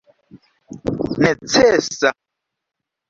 necesa